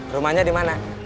rumahnya di mana